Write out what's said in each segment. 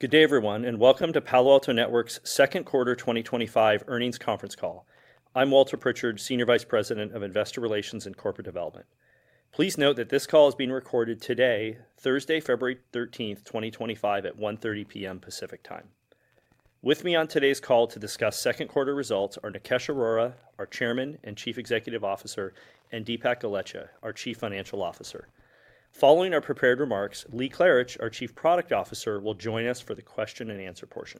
Good day, everyone, and welcome to Palo Alto Networks' Q2 2025 Earnings Conference Call. I'm Walter Pritchard, Senior Vice President of Investor Relations and Corporate Development. Please note that this call is being recorded today, Thursday, February 13, 2025, at 1:30 P.M. Pacific Time. With me on today's call to discuss Q2 results are Nikesh Arora, our Chairman and Chief Executive Officer, and Dipak Golechha, our Chief Financial Officer. Following our prepared remarks, Lee Klarich, our Chief Product Officer, will join us for the question-and-answer portion.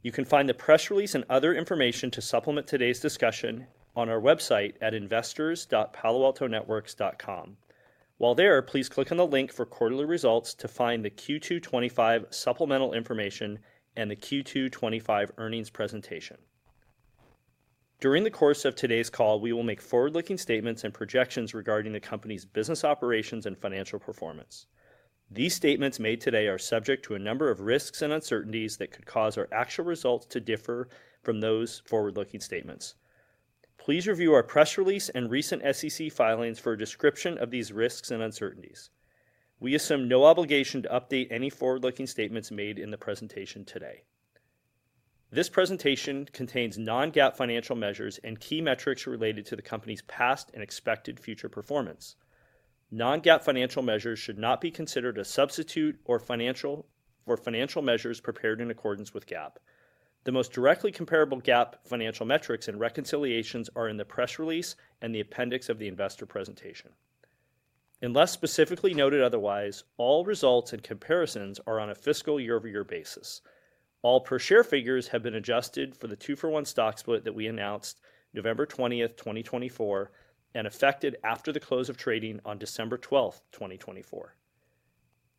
You can find the press release and other information to supplement today's discussion on our website at investors.paloaltonetworks.com. While there, please click on the link for quarterly results to find the Q2 2025 supplemental information and the Q2 2025 earnings presentation. During the course of today's call, we will make forward-looking statements and projections regarding the company's business operations and financial performance. These statements made today are subject to a number of risks and uncertainties that could cause our actual results to differ from those forward-looking statements. Please review our press release and recent SEC filings for a description of these risks and uncertainties. We assume no obligation to update any forward-looking statements made in the presentation today. This presentation contains non-GAAP financial measures and key metrics related to the company's past and expected future performance. Non-GAAP financial measures should not be considered a substitute for financial measures prepared in accordance with GAAP. The most directly comparable GAAP financial metrics and reconciliations are in the press release and the appendix of the investor presentation. Unless specifically noted otherwise, all results and comparisons are on a fiscal year-over-year basis. All per-share figures have been adjusted for the two-for-one stock split that we announced November 20, 2024, and effective after the close of trading on December 12, 2024.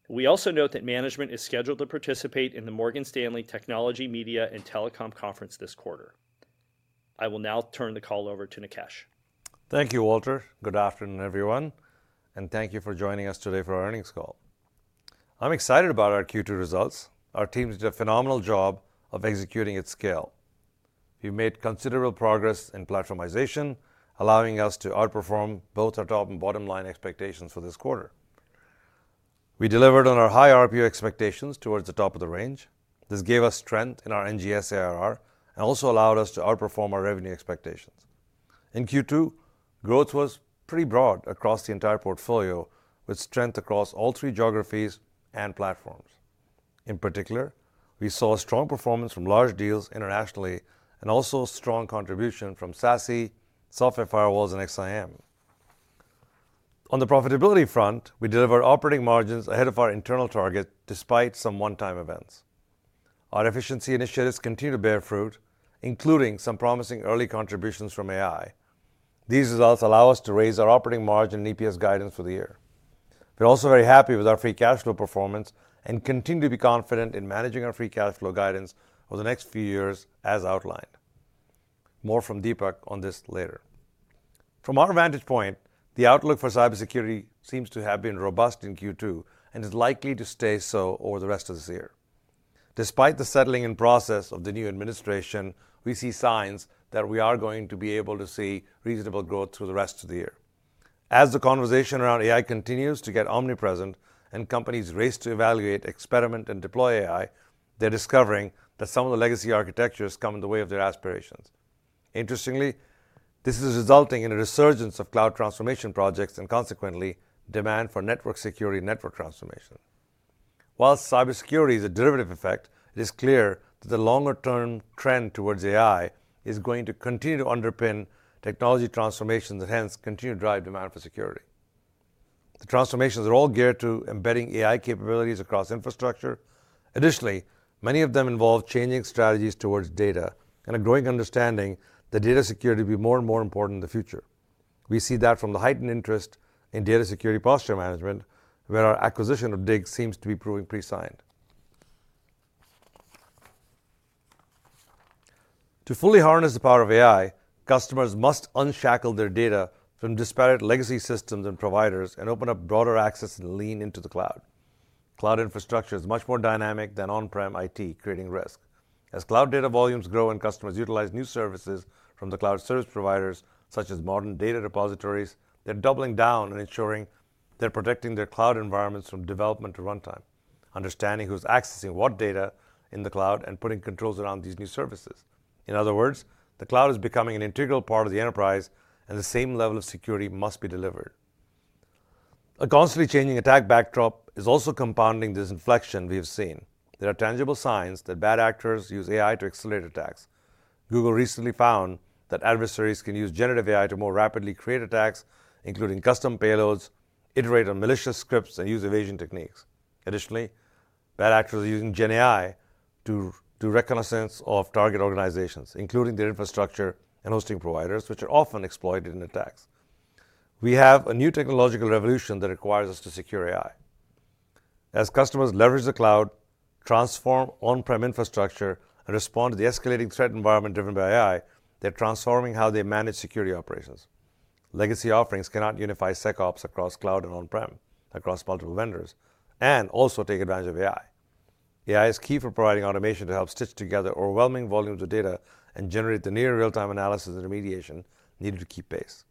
We also note that management is scheduled to participate in the Morgan Stanley Technology, Media, and Telecom Conference this quarter. I will now turn the call over to Nikesh. Thank you, Walter. Good afternoon, everyone, and thank you for joining us today for our earnings call. I'm excited about our Q2 results. Our team did a phenomenal job of executing at scale. We've made considerable progress in platformization, allowing us to outperform both our top and bottom line expectations for this quarter. We delivered on our high RPO expectations towards the top of the range. This gave us strength in our NGS ARR and also allowed us to outperform our revenue expectations. In Q2, growth was pretty broad across the entire portfolio, with strength across all three geographies and platforms. In particular, we saw strong performance from large deals internationally and also strong contribution from SASE, software firewalls, and XSIAM. On the profitability front, we delivered operating margins ahead of our internal target despite some one-time events. Our efficiency initiatives continue to bear fruit, including some promising early contributions from AI. These results allow us to raise our operating margin and EPS guidance for the year. We're also very happy with our free cash flow performance and continue to be confident in managing our free cash flow guidance over the next few years, as outlined. More from Dipak on this later. From our vantage point, the outlook for cybersecurity seems to have been robust in Q2 and is likely to stay so over the rest of this year. Despite the settling-in process of the new administration, we see signs that we are going to be able to see reasonable growth through the rest of the year. As the conversation around AI continues to get omnipresent and companies race to evaluate, experiment, and deploy AI, they're discovering that some of the legacy architectures come in the way of their aspirations. Interestingly, this is resulting in a resurgence of cloud transformation projects and consequently, demand for network security and network transformation. While cybersecurity is a derivative effect, it is clear that the longer-term trend towards AI is going to continue to underpin technology transformations and hence continue to drive demand for security. The transformations are all geared to embedding AI capabilities across infrastructure. Additionally, many of them involve changing strategies towards data and a growing understanding that data security will be more and more important in the future. We see that from the heightened interest in data security posture management, where our acquisition of Dig seems to be proving prescient. To fully harness the power of AI, customers must unshackle their data from disparate legacy systems and providers and open up broader access and lean into the cloud. Cloud infrastructure is much more dynamic than on-prem IT, creating risk. As cloud data volumes grow and customers utilize new services from the cloud service providers, such as modern data repositories, they're doubling down and ensuring they're protecting their cloud environments from development to runtime, understanding who's accessing what data in the cloud and putting controls around these new services. In other words, the cloud is becoming an integral part of the enterprise, and the same level of security must be delivered. A constantly changing attack backdrop is also compounding this inflection we have seen. There are tangible signs that bad actors use AI to accelerate attacks. Google recently found that adversaries can use generative AI to more rapidly create attacks, including custom payloads, iterate on malicious scripts, and use evasion techniques. Additionally, bad actors are using GenAI to do reconnaissance of target organizations, including their infrastructure and hosting providers, which are often exploited in attacks. We have a new technological revolution that requires us to secure AI. As customers leverage the cloud, transform on-prem infrastructure, and respond to the escalating threat environment driven by AI, they're transforming how they manage security operations. Legacy offerings cannot unify SecOps across cloud and on-prem, across multiple vendors, and also take advantage of AI. AI is key for providing automation to help stitch together overwhelming volumes of data and generate the near real-time analysis and remediation needed to keep pace.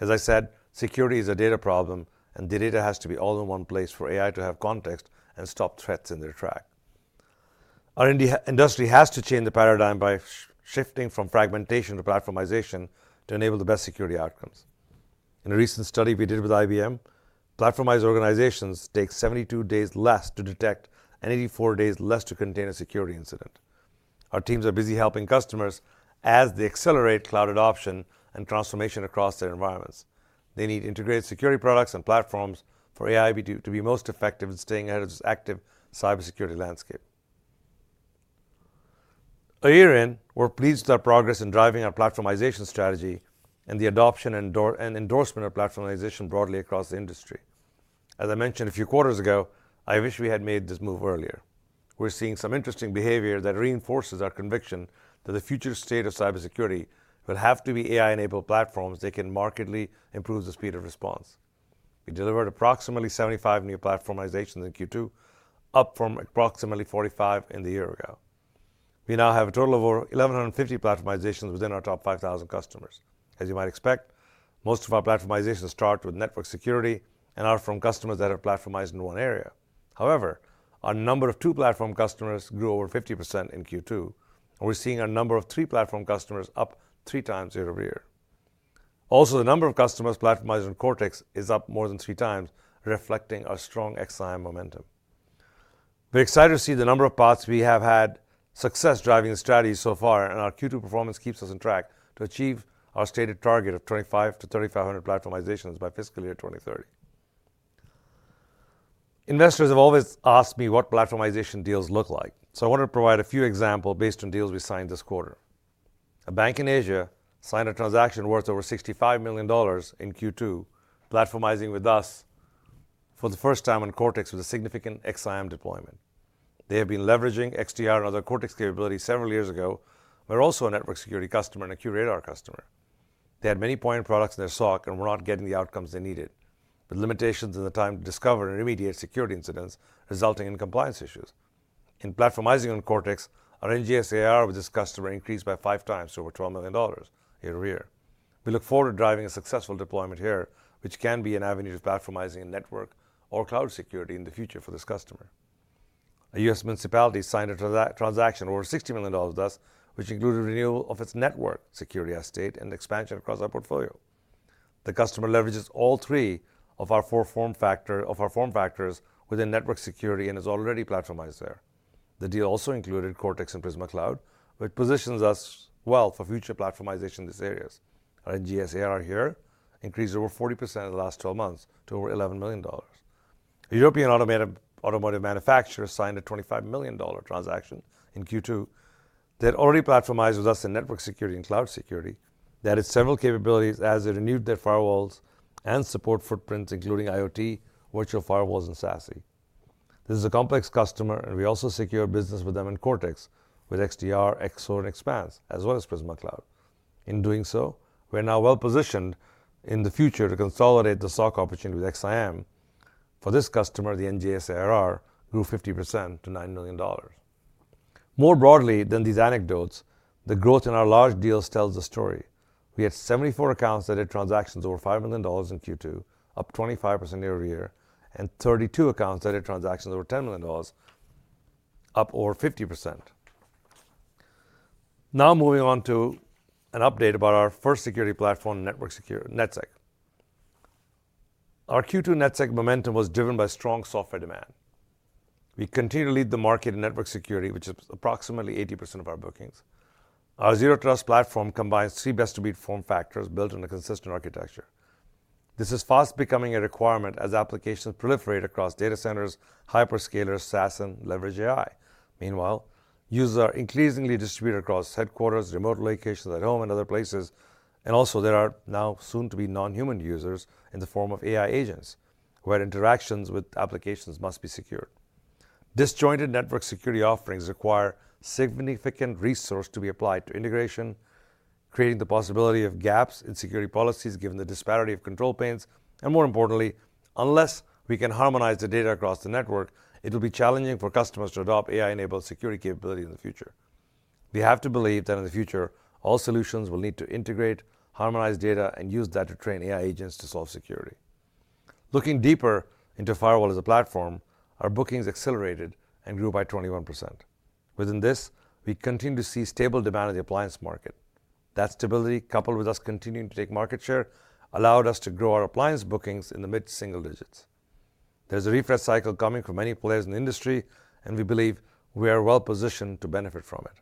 As I said, security is a data problem, and the data has to be all in one place for AI to have context and stop threats in their track. Our industry has to change the paradigm by shifting from fragmentation to platformization to enable the best security outcomes. In a recent study we did with IBM, platformized organizations take 72 days less to detect and 84 days less to contain a security incident. Our teams are busy helping customers as they accelerate cloud adoption and transformation across their environments. They need integrated security products and platforms for AI to be most effective in staying ahead of this active cybersecurity landscape. A year in, we're pleased with our progress in driving our platformization strategy and the adoption and endorsement of platformization broadly across the industry. As I mentioned a few quarters ago, I wish we had made this move earlier. We're seeing some interesting behavior that reinforces our conviction that the future state of cybersecurity will have to be AI-enabled platforms that can markedly improve the speed of response. We delivered approximately 75 new platformizations in Q2, up from approximately 45 in the year ago. We now have a total of over 1,150 platformizations within our top 5,000 customers. As you might expect, most of our platformizations start with network security and are from customers that are platformized in one area. However, our number of two-platform customers grew over 50% in Q2, and we're seeing our number of three-platform customers up three times year-over-year. Also, the number of customers platformized in Cortex is up more than three times, reflecting our strong XSIAM momentum. We're excited to see the number of paths we have had success driving the strategy so far, and our Q2 performance keeps us on track to achieve our stated target of 2,500 to 3,500 platformizations by fiscal year 2030. Investors have always asked me what platformization deals look like, so I wanted to provide a few examples based on deals we signed this quarter. A bank in Asia signed a transaction worth over $65 million in Q2, platformizing with us for the first time on Cortex with a significant XSIAM deployment. They have been leveraging XDR and other Cortex capabilities several years ago. We're also a network security customer and a QRadar customer. They had many point products in their SOC and were not getting the outcomes they needed, with limitations in the time to discover and remediate security incidents, resulting in compliance issues. In platformizing on Cortex, our NGS ARR with this customer increased by five times to over $12 million year-over-year. We look forward to driving a successful deployment here, which can be an avenue to platformizing in network or cloud security in the future for this customer. A U.S. municipality signed a transaction worth $60 million with us, which included renewal of its network security estate and expansion across our portfolio. The customer leverages all three of our four form factors within network security and is already platformized there. The deal also included Cortex and Prisma Cloud, which positions us well for future platformization in these areas. Our NGS ARR here increased over 40% in the last 12 months to over $11 million. A European automotive manufacturer signed a $25 million transaction in Q2. They had already platformized with us in network security and cloud security. They added several capabilities as they renewed their firewalls and support footprints, including IoT, virtual firewalls, and SASE. This is a complex customer, and we also secure business with them in Cortex with XDR, XSOAR, and Expanse, as well as Prisma Cloud. In doing so, we're now well positioned in the future to consolidate the SOC opportunity with XSIAM. For this customer, the NGS ARR grew 50% to $9 million. More broadly than these anecdotes, the growth in our large deals tells the story. We had 74 accounts that did transactions over $5 million in Q2, up 25% year-over-year, and 32 accounts that did transactions over $10 million, up over 50%. Now moving on to an update about our first security platform, NetSec. Our Q2 NetSec momentum was driven by strong software demand. We continue to lead the market in network security, which is approximately 80% of our bookings. Our Zero Trust platform combines three best-of-breed form factors built on a consistent architecture. This is fast becoming a requirement as applications proliferate across data centers, hyperscalers, SaaS, and leverage AI. Meanwhile, users are increasingly distributed across headquarters, remote locations at home, and other places. Also there are now soon to be non-human users in the form of AI agents, where interactions with applications must be secured. Disjointed network security offerings require significant resources to be applied to integration, creating the possibility of gaps in security policies given the disparity of control planes. More importantly, unless we can harmonize the data across the network, it will be challenging for customers to adopt AI-enabled security capabilities in the future. We have to believe that in the future, all solutions will need to integrate, harmonize data, and use that to train AI agents to solve security. Looking deeper into firewall as a platform, our bookings accelerated and grew by 21%. Within this, we continue to see stable demand in the appliance market. That stability, coupled with us continuing to take market share, allowed us to grow our appliance bookings in the mid-single digits. There's a refresh cycle coming from many players in the industry, and we believe we are well positioned to benefit from it.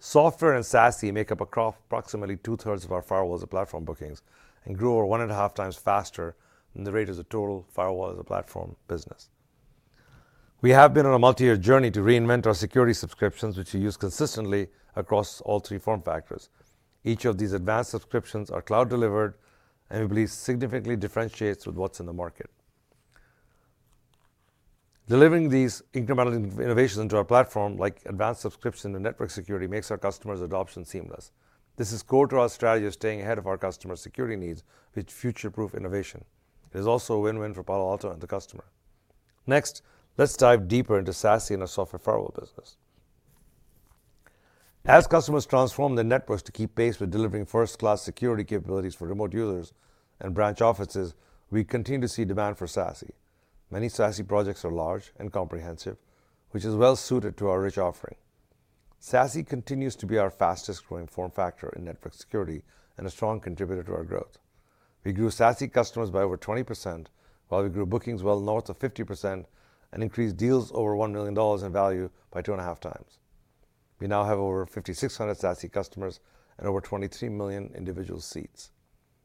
Software and SASE make up approximately two-thirds of our firewalls and platform bookings and grew over one and a half times faster than the rate of the total firewall as a platform business. We have been on a multi-year journey to reinvent our security subscriptions, which we use consistently across all three form factors. Each of these advanced subscriptions are cloud-delivered, and we believe significantly differentiates with what's in the market. Delivering these incremental innovations into our platform, like advanced subscriptions and network security, makes our customers' adoption seamless. This is core to our strategy of staying ahead of our customers' security needs with future-proof innovation. It is also a win-win for Palo Alto and the customer. Next, let's dive deeper into SASE in our software firewall business. As customers transform their networks to keep pace with delivering first-class security capabilities for remote users and branch offices, we continue to see demand for SASE. Many SASE projects are large and comprehensive, which is well-suited to our rich offering. SASE continues to be our fastest-growing form factor in network security and a strong contributor to our growth. We grew SASE customers by over 20%, while we grew bookings well north of 50% and increased deals over $1 million in value by two and a half times. We now have over 5,600 SASE customers and over 23 million individual seats.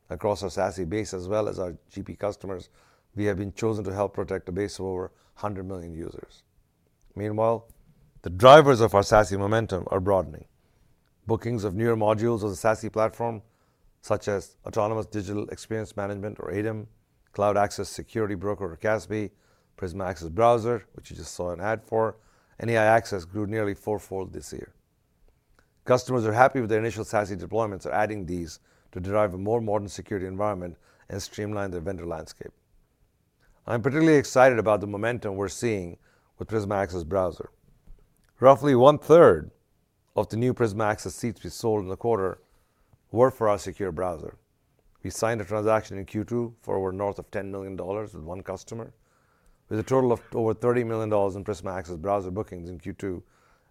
Across our SASE base, as well as our GP customers, we have been chosen to help protect a base of over 100 million users. Meanwhile, the drivers of our SASE momentum are broadening. Bookings of newer modules on the SASE platform, such as Autonomous Digital Experience Management, or ADEM, Cloud Access Security Broker, or CASB, Prisma Access Browser, which you just saw an ad for, and AI Access grew nearly four-fold this year. Customers are happy with their initial SASE deployments or adding these to derive a more modern security environment and streamline their vendor landscape. I'm particularly excited about the momentum we're seeing with Prisma Access Browser. Roughly one-third of the new Prisma Access seats we sold in the quarter were for our secure browser. We signed a transaction in Q2 for over north of $10 million with one customer, with a total of over $30 million in Prisma Access Browser bookings in Q2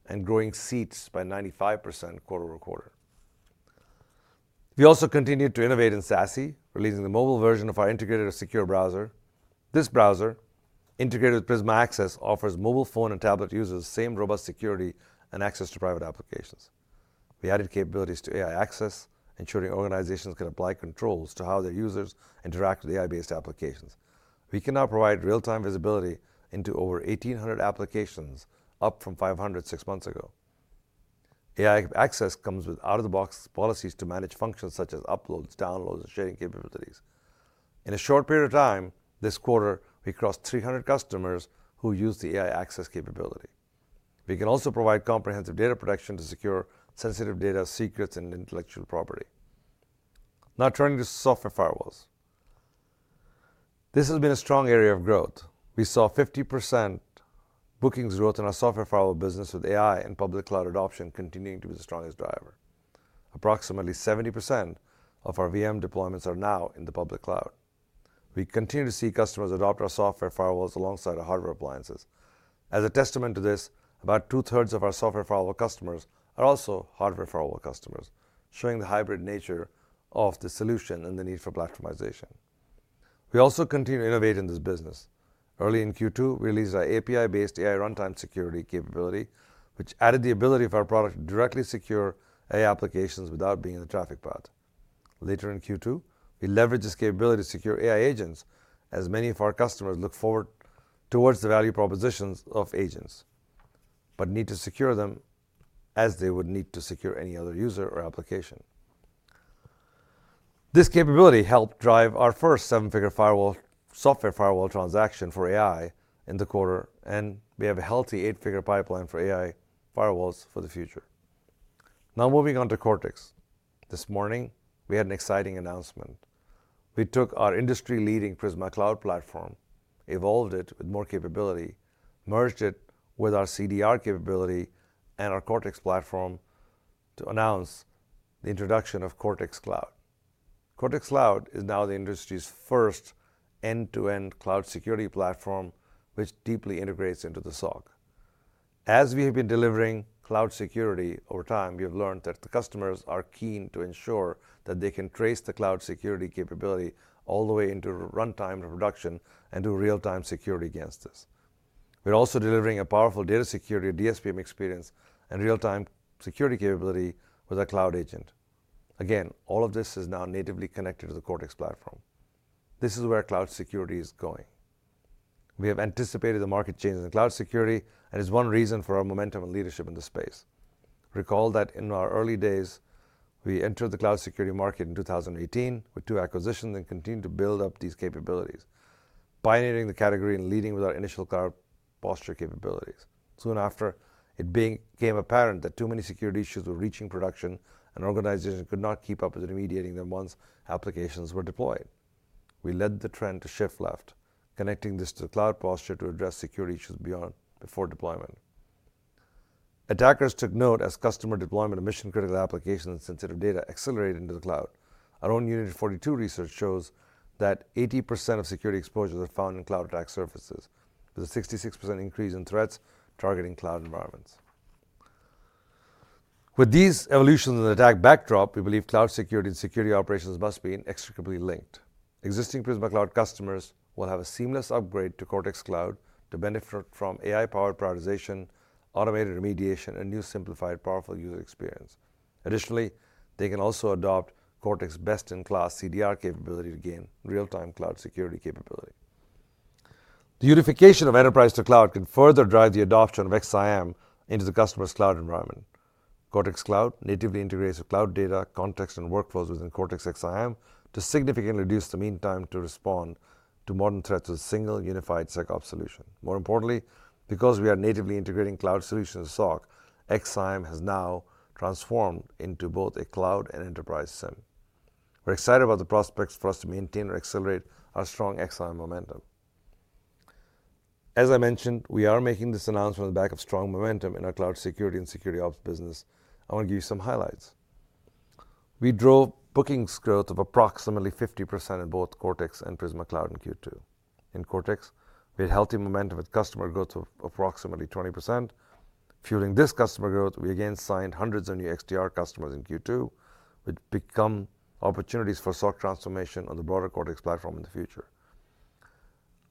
and growing seats by 95% quarter-over-quarter. We also continue to innovate in SASE, releasing the mobile version of our integrated secure browser. This browser, integrated with Prisma Access, offers mobile phone and tablet users the same robust security and access to private applications. We added capabilities to AI Access, ensuring organizations can apply controls to how their users interact with AI-based applications. We can now provide real-time visibility into over 1,800 applications, up from 500 six months ago. AI Access comes with out-of-the-box policies to manage functions such as uploads, downloads, and sharing capabilities. In a short period of time this quarter, we crossed 300 customers who use the AI Access capability. We can also provide comprehensive data protection to secure sensitive data, secrets, and intellectual property. Now turning to software firewalls. This has been a strong area of growth. We saw 50% bookings growth in our software firewall business, with AI and public cloud adoption continuing to be the strongest driver. Approximately 70% of our VM deployments are now in the public cloud. We continue to see customers adopt our software firewalls alongside our hardware appliances. As a testament to this, about two-thirds of our software firewall customers are also hardware firewall customers, showing the hybrid nature of the solution and the need for platformization. We also continue to innovate in this business. Early in Q2, we released our API-based AI runtime security capability, which added the ability for our product to directly secure AI applications without being in the traffic path. Later in Q2, we leveraged this capability to secure AI agents, as many of our customers look forward towards the value propositions of agents, but need to secure them as they would need to secure any other user or application. This capability helped drive our first seven-figure software firewall transaction for AI in the quarter, and we have a healthy eight-figure pipeline for AI firewalls for the future. Now moving on to Cortex. This morning, we had an exciting announcement. We took our industry-leading Prisma Cloud platform, evolved it with more capability, merged it with our CDR capability, and our Cortex platform to announce the introduction of Cortex Cloud. Cortex Cloud is now the industry's first end-to-end cloud security platform, which deeply integrates into the SOC. As we have been delivering cloud security over time, we have learned that the customers are keen to ensure that they can trace the cloud security capability all the way into runtime and production and do real-time security against this. We're also delivering a powerful data security DSPM experience and real-time security capability with a cloud agent. Again, all of this is now natively connected to the Cortex platform. This is where cloud security is going. We have anticipated the market change in cloud security, and it's one reason for our momentum and leadership in the space. Recall that in our early days, we entered the cloud security market in 2018 with two acquisitions and continued to build up these capabilities, pioneering the category and leading with our initial cloud posture capabilities. Soon after, it became apparent that too many security issues were reaching production, and organizations could not keep up with remediating them once applications were deployed. We led the trend to shift left, connecting this to the cloud posture to address security issues before deployment. Attackers took note as customer deployment of mission-critical applications and sensitive data accelerated into the cloud. Our own Unit 42 research shows that 80% of security exposures are found in cloud attack surfaces, with a 66% increase in threats targeting cloud environments. With these evolutions in the attack backdrop, we believe cloud security and security operations must be inextricably linked. Existing Prisma Cloud customers will have a seamless upgrade to Cortex Cloud to benefit from AI-powered prioritization, automated remediation, and new simplified, powerful user experience. Additionally, they can also adopt Cortex's best-in-class CDR capability to gain real-time cloud security capability. The unification of enterprise to cloud can further drive the adoption of XSIAM into the customer's cloud environment. Cortex Cloud natively integrates with cloud data, context, and workflows within Cortex XSIAM to significantly reduce the mean time to respond to modern threats with a single, unified SecOps solution. More importantly, because we are natively integrating cloud solutions with SOC, XSIAM has now transformed into both a cloud and enterprise SIEM. We're excited about the prospects for us to maintain or accelerate our strong XSIAM momentum. As I mentioned, we are making this announcement on the back of strong momentum in our cloud security and security ops business. I want to give you some highlights. We drove bookings growth of approximately 50% in both Cortex and Prisma Cloud in Q2. In Cortex, we had healthy momentum with customer growth of approximately 20%. Fueling this customer growth, we again signed hundreds of new XDR customers in Q2, which become opportunities for SOC transformation on the broader Cortex platform in the future.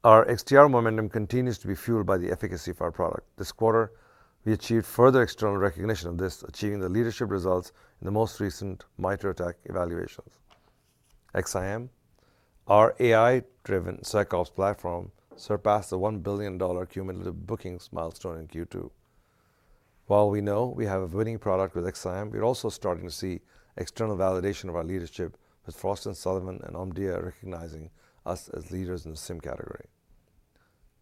Our XDR momentum continues to be fueled by the efficacy of our product. This quarter, we achieved further external recognition of this, achieving the leadership results in the most recent MITRE ATT&CK evaluations. XSIAM, our AI-driven SecOps platform, surpassed the $1 billion cumulative bookings milestone in Q2. While we know we have a winning product with XSIAM, we're also starting to see external validation of our leadership, with Frost & Sullivan and Omdia recognizing us as leaders in the SIEM category.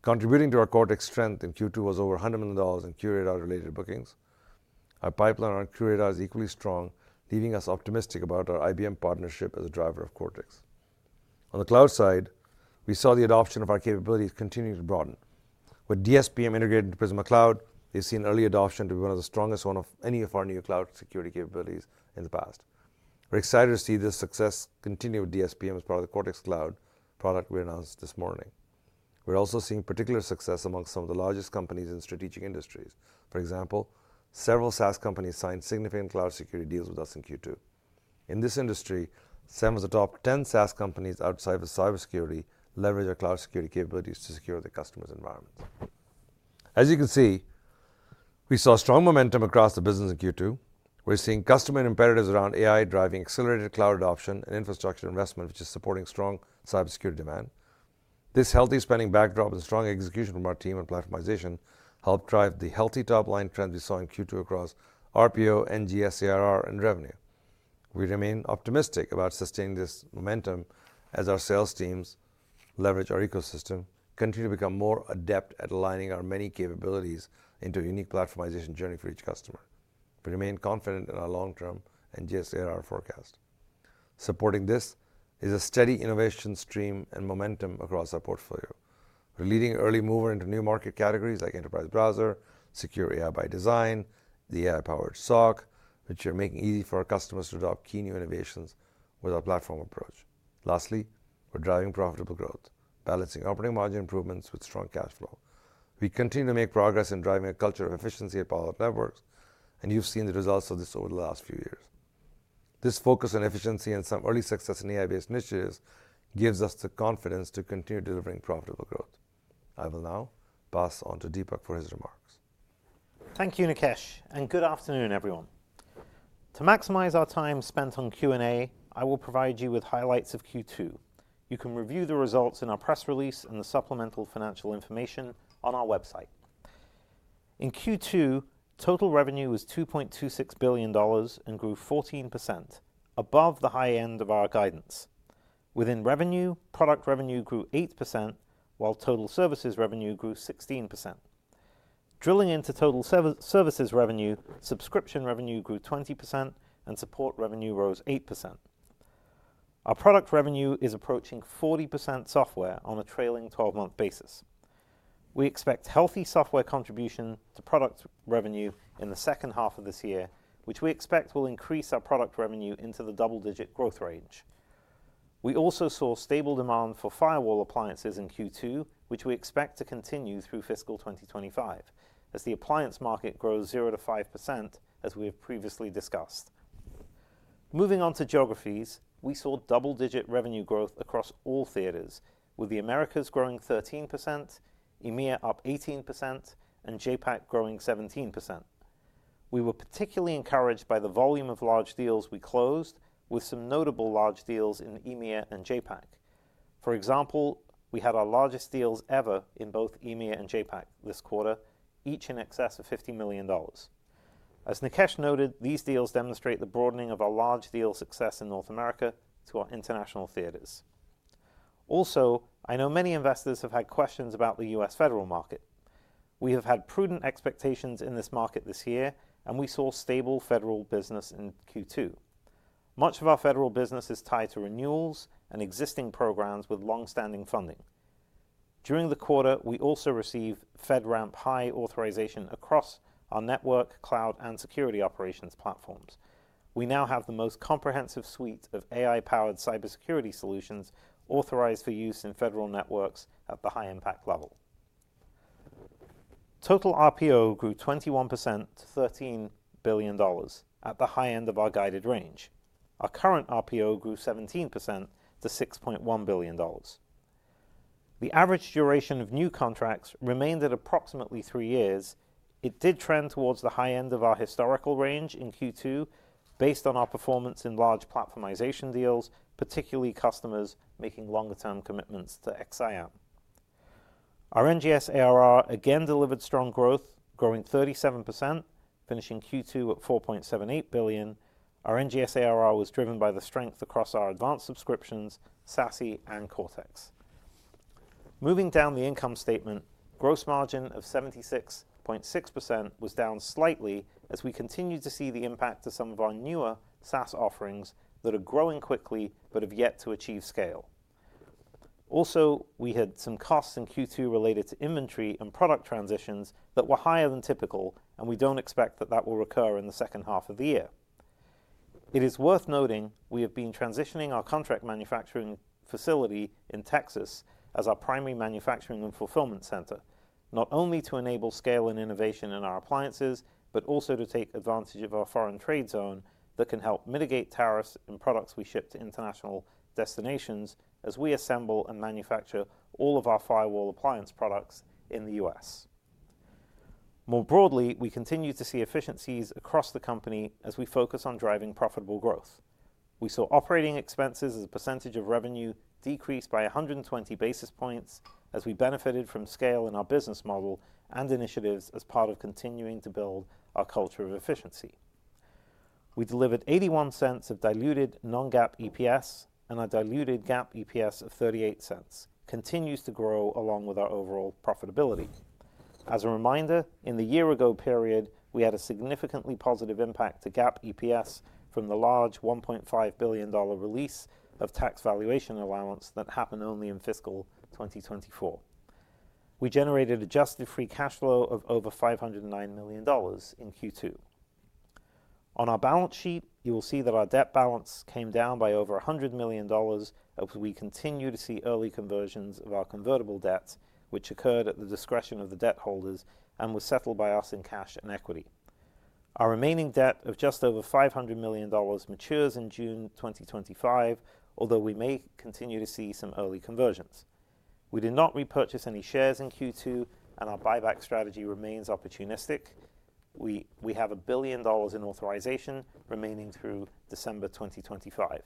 Contributing to our Cortex strength in Q2 was over $100 million in QRadar-related bookings. Our pipeline around QRadar is equally strong, leaving us optimistic about our IBM partnership as a driver of Cortex. On the cloud side, we saw the adoption of our capabilities continue to broaden. With DSPM integrated into Prisma Cloud, we've seen early adoption to be one of the strongest ones of any of our new cloud security capabilities in the past. We're excited to see this success continue with DSPM as part of the Cortex Cloud product we announced this morning. We're also seeing particular success among some of the largest companies in strategic industries. For example, several SaaS companies signed significant cloud security deals with us in Q2. In this industry, some of the top 10 SaaS companies outside of cybersecurity leverage our cloud security capabilities to secure their customers' environments. As you can see, we saw strong momentum across the business in Q2. We're seeing customer imperatives around AI driving accelerated cloud adoption and infrastructure investment, which is supporting strong cybersecurity demand. This healthy spending backdrop and strong execution from our team on platformization helped drive the healthy top-line trends we saw in Q2 across RPO, NGS ARR, and revenue. We remain optimistic about sustaining this momentum as our sales teams leverage our ecosystem, continue to become more adept at aligning our many capabilities into a unique platformization journey for each customer. We remain confident in our long-term NGS ARR forecast. Supporting this is a steady innovation stream and momentum across our portfolio. We're leading as an early mover into new market categories like enterprise browser, Secure AI by Design, the AI-powered SOC, which are making it easy for our customers to adopt key new innovations with our platform approach. Lastly, we're driving profitable growth, balancing operating margin improvements with strong cash flow. We continue to make progress in driving a culture of efficiency at Palo Alto Networks, and you've seen the results of this over the last few years. This focus on efficiency and some early success in AI-based initiatives gives us the confidence to continue delivering profitable growth. I will now pass on to Dipak for his remarks. Thank you, Nikesh, and good afternoon, everyone. To maximize our time spent on Q&A, I will provide you with highlights of Q2. You can review the results in our press release and the supplemental financial information on our website. In Q2, total revenue was $2.26 billion and grew 14%, above the high end of our guidance. Within revenue, product revenue grew 8%, while total services revenue grew 16%. Drilling into total services revenue, subscription revenue grew 20%, and support revenue rose 8%. Our product revenue is approaching 40% software on a trailing 12-month basis. We expect healthy software contribution to product revenue in the second half of this year, which we expect will increase our product revenue into the double-digit growth range. We also saw stable demand for firewall appliances in Q2, which we expect to continue through fiscal 2025, as the appliance market grows 0 to 5%, as we have previously discussed. Moving on to geographies, we saw double-digit revenue growth across all theaters, with the Americas growing 13%, EMEA up 18%, and JAPAC growing 17%. We were particularly encouraged by the volume of large deals we closed, with some notable large deals in EMEA and JAPAC. For example, we had our largest deals ever in both EMEA and JAPAC this quarter, each in excess of $50 million. As Nikesh noted, these deals demonstrate the broadening of our large deal success in North America to our international theaters. Also, I know many investors have had questions about the U.S. federal market. We have had prudent expectations in this market this year, and we saw stable federal business in Q2. Much of our federal business is tied to renewals and existing programs with long-standing funding. During the quarter, we also received FedRAMP High authorization across our network, cloud, and security operations platforms. We now have the most comprehensive suite of AI-powered cybersecurity solutions authorized for use in federal networks at the high-impact level. Total RPO grew 21% to $13 billion at the high end of our guided range. Our current RPO grew 17% to $6.1 billion. The average duration of new contracts remained at approximately three years. It did trend towards the high end of our historical range in Q2, based on our performance in large platformization deals, particularly customers making longer-term commitments to XSIAM. Our NGS ARR again delivered strong growth, growing 37%, finishing Q2 at $4.78 billion. Our NGS ARR was driven by the strength across our advanced subscriptions, SASE, and Cortex. Moving down the income statement, gross margin of 76.6% was down slightly as we continued to see the impact of some of our newer SaaS offerings that are growing quickly but have yet to achieve scale. Also, we had some costs in Q2 related to inventory and product transitions that were higher than typical, and we don't expect that will recur in the second half of the year. It is worth noting we have been transitioning our contract manufacturing facility in Texas as our primary manufacturing and fulfillment center, not only to enable scale and innovation in our appliances, but also to take advantage of our foreign trade zone that can help mitigate tariffs in products we ship to international destinations as we assemble and manufacture all of our firewall appliance products in the U.S. More broadly, we continue to see efficiencies across the company as we focus on driving profitable growth. We saw operating expenses as a percentage of revenue decrease by 120 basis points as we benefited from scale in our business model and initiatives as part of continuing to build our culture of efficiency. We delivered $0.81 of diluted non-GAAP EPS, and our diluted GAAP EPS of $0.38 continues to grow along with our overall profitability. As a reminder, in the year-ago period, we had a significantly positive impact to GAAP EPS from the large $1.5 billion release of tax valuation allowance that happened only in fiscal 2024. We generated adjusted free cash flow of over $509 million in Q2. On our balance sheet, you will see that our debt balance came down by over $100 million, as we continue to see early conversions of our convertible debt, which occurred at the discretion of the debt holders and was settled by us in cash and equity. Our remaining debt of just over $500 million matures in June 2025, although we may continue to see some early conversions. We did not repurchase any shares in Q2, and our buyback strategy remains opportunistic. We have $1 billion in authorization remaining through December 2025.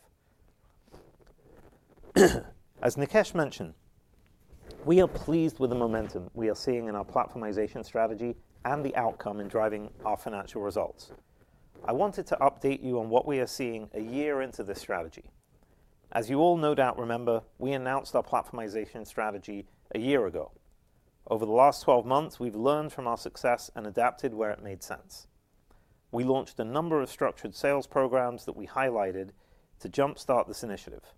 As Nikesh mentioned, we are pleased with the momentum we are seeing in our platformization strategy and the outcome in driving our financial results. I wanted to update you on what we are seeing a year into this strategy. As you all no doubt remember, we announced our platformization strategy a year ago. Over the last 12 months, we've learned from our success and adapted where it made sense. We launched a number of structured sales programs that we highlighted to jump-start this initiative.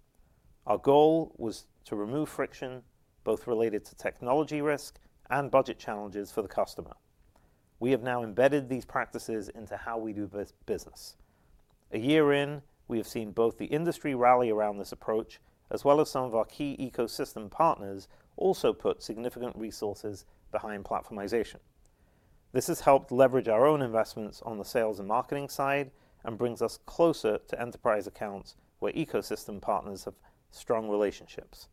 Our goal was to remove friction both related to technology risk and budget challenges for the customer. We have now embedded these practices into how we do business. A year in, we have seen both the industry rally around this approach, as well as some of our key ecosystem partners also put significant resources behind platformization. This has helped leverage our own investments on the sales and marketing side and brings us closer to enterprise accounts where ecosystem partners have strong relationships.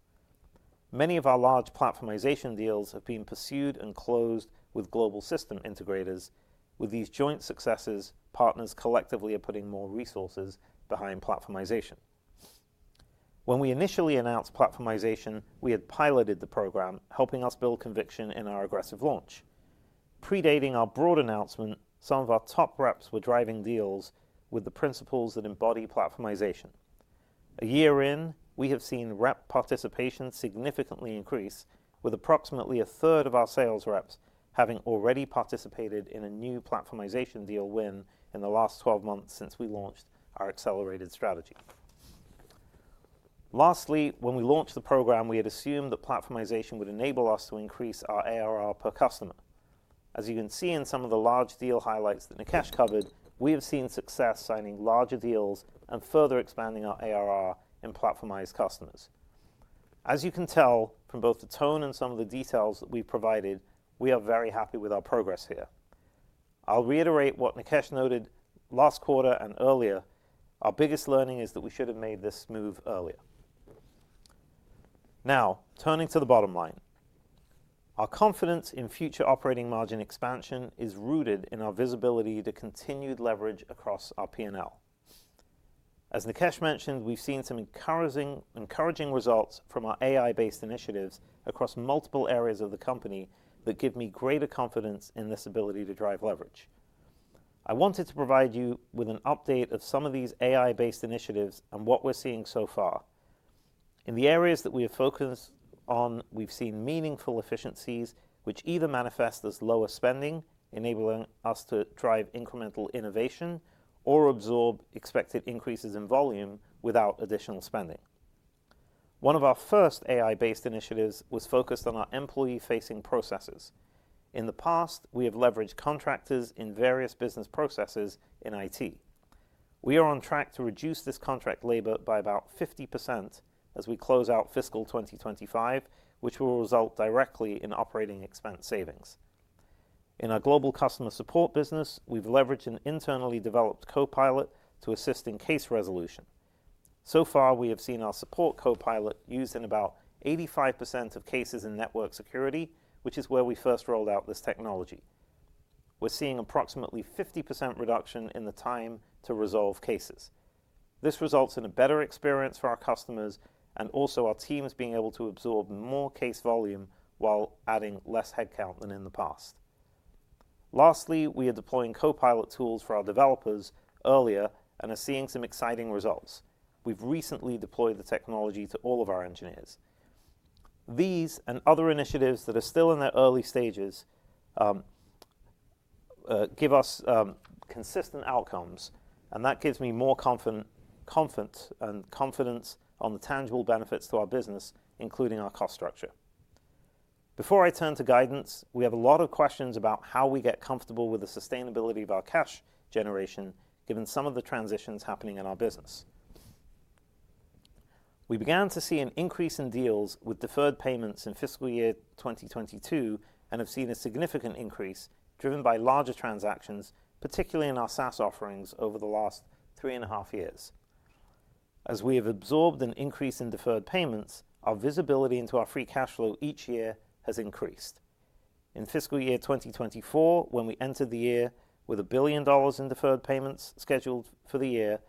Many of our large platformization deals have been pursued and closed with global system integrators. With these joint successes, partners collectively are putting more resources behind platformization. When we initially announced platformization, we had piloted the program, helping us build conviction in our aggressive launch. Predating our broad announcement, some of our top reps were driving deals with the principles that embody platformization. A year in, we have seen rep participation significantly increase, with approximately a third of our sales reps having already participated in a new platformization deal win in the last 12 months since we launched our accelerated strategy. Lastly, when we launched the program, we had assumed that platformization would enable us to increase our ARR per customer. As you can see in some of the large deal highlights that Nikesh covered, we have seen success signing larger deals and further expanding our ARR in platformized customers. As you can tell from both the tone and some of the details that we've provided, we are very happy with our progress here. I'll reiterate what Nikesh noted last quarter and earlier. Our biggest learning is that we should have made this move earlier. Now, turning to the bottom line, our confidence in future operating margin expansion is rooted in our visibility to continued leverage across our P&L. As Nikesh mentioned, we've seen some encouraging results from our AI-based initiatives across multiple areas of the company that give me greater confidence in this ability to drive leverage. I wanted to provide you with an update of some of these AI-based initiatives and what we're seeing so far. In the areas that we have focused on, we've seen meaningful efficiencies, which either manifest as lower spending, enabling us to drive incremental innovation, or absorb expected increases in volume without additional spending. One of our first AI-based initiatives was focused on our employee-facing processes. In the past, we have leveraged contractors in various business processes in IT. We are on track to reduce this contract labor by about 50% as we close out fiscal 2025, which will result directly in operating expense savings. In our global customer support business, we've leveraged an internally developed copilot to assist in case resolution. So far, we have seen our support copilot used in about 85% of cases in network security, which is where we first rolled out this technology. We're seeing approximately 50% reduction in the time to resolve cases. This results in a better experience for our customers and also our teams being able to absorb more case volume while adding less headcount than in the past. Lastly, we are deploying copilot tools for our developers earlier and are seeing some exciting results. We've recently deployed the technology to all of our engineers. These and other initiatives that are still in their early stages give us consistent outcomes, and that gives me more confidence on the tangible benefits to our business, including our cost structure. Before I turn to guidance, we have a lot of questions about how we get comfortable with the sustainability of our cash generation, given some of the transitions happening in our business. We began to see an increase in deals with deferred payments in fiscal year 2022 and have seen a significant increase driven by larger transactions, particularly in our SaaS offerings over the last three and a half years. As we have absorbed an increase in deferred payments, our visibility into our free cash flow each year has increased. In fiscal year 2024, when we entered the year with $1 billion in deferred payments scheduled for the year,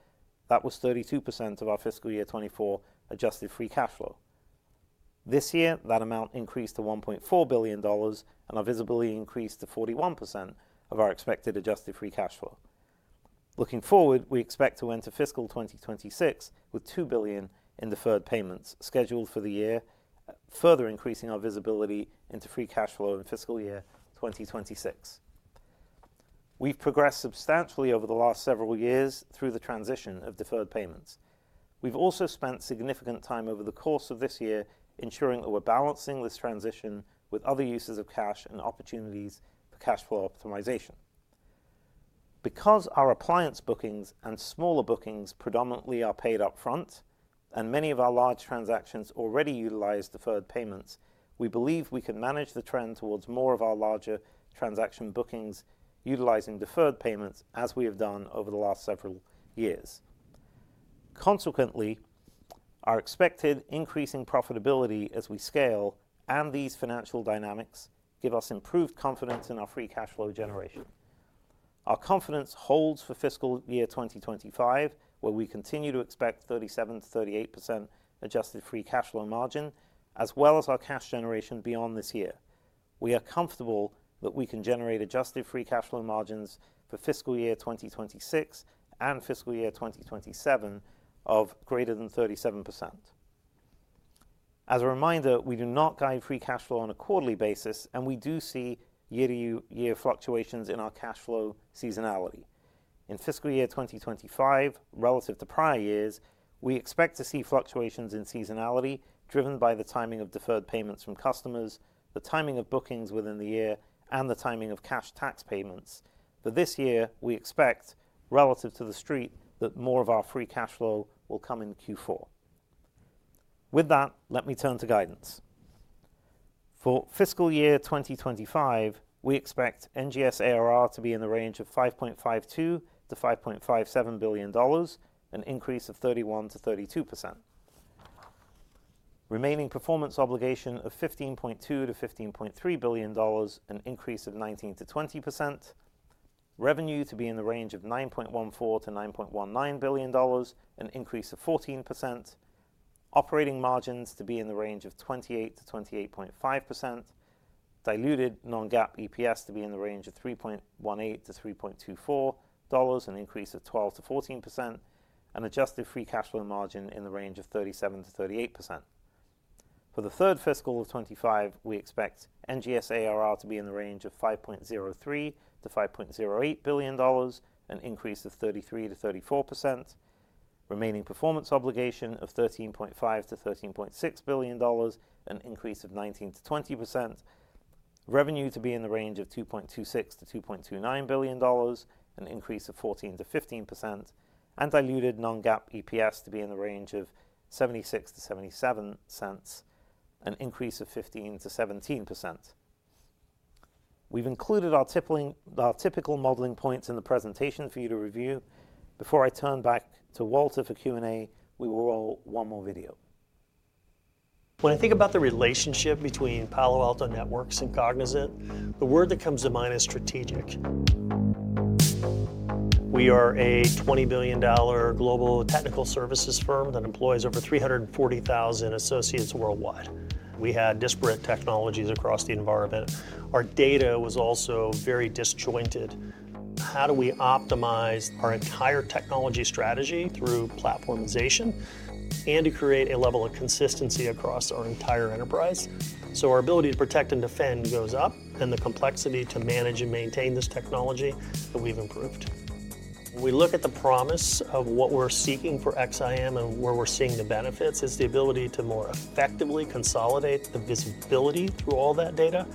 that was 32% of our fiscal year 2024 adjusted free cash flow. This year, that amount increased to $1.4 billion and our visibility increased to 41% of our expected adjusted free cash flow. Looking forward, we expect to enter fiscal 2026 with $2 billion in deferred payments scheduled for the year, further increasing our visibility into free cash flow in fiscal year 2026. We've progressed substantially over the last several years through the transition of deferred payments. We've also spent significant time over the course of this year ensuring that we're balancing this transition with other uses of cash and opportunities for cash flow optimization. Because our appliance bookings and smaller bookings predominantly are paid upfront, and many of our large transactions already utilize deferred payments, we believe we can manage the trend towards more of our larger transaction bookings utilizing deferred payments as we have done over the last several years. Consequently, our expected increasing profitability as we scale and these financial dynamics give us improved confidence in our free cash flow generation. Our confidence holds for fiscal year 2025, where we continue to expect 37%-38% adjusted free cash flow margin, as well as our cash generation beyond this year. We are comfortable that we can generate adjusted free cash flow margins for fiscal year 2026 and fiscal year 2027 of greater than 37%. As a reminder, we do not guide free cash flow on a quarterly basis, and we do see year-to-year fluctuations in our cash flow seasonality. In fiscal year 2025, relative to prior years, we expect to see fluctuations in seasonality driven by the timing of deferred payments from customers, the timing of bookings within the year, and the timing of cash tax payments. This year, we expect relative to the street that more of our free cash flow will come in Q4. With that, let me turn to guidance. For fiscal year 2025, we expect NGSARR to be in the range of $5.52 billion-$5.57 billion, an increase of 31%-32%. Remaining performance obligation of $15.2 billion to $15.3 billion, an increase of 19% to 20%. Revenue to be in the range of $9.14 billion to $9.19 billion, an increase of 14%. Operating margins to be in the range of 28% to 28.5%. Diluted non-GAAP EPS to be in the range of $3.18 to $3.24, an increase of 12% to 14%, and adjusted free cash flow margin in the range of 37% to 38%. For the third fiscal of 2025, we expect NGSARR to be in the range of $5.03 billion to $5.08 billion, an increase of 33% to 34%. Remaining performance obligation of $13.5 billion to $13.6 billion, an increase of 19%to 20%. Revenue to be in the range of $2.26 billion to $2.29 billion, an increase of 14% to 15%, and diluted non-GAAP EPS to be in the range of $0.76 to $0.77, an increase of 15% to 17%. We've included our typical modeling points in the presentation for you to review. Before I turn back to Walter for Q&A, we will roll one more video. When I think about the relationship between Palo Alto Networks and Cognizant, the word that comes to mind is strategic. We are a $20 billion global technical services firm that employs over 340,000 associates worldwide. We had disparate technologies across the environment. Our data was also very disjointed. How do we optimize our entire technology strategy through platformization and to create a level of consistency across our entire enterprise? So our ability to protect and defend goes up, and the complexity to manage and maintain this technology that we've improved. We look at the promise of what we're seeking for XSIAM and where we're seeing the benefits is the ability to more effectively consolidate the visibility through all that data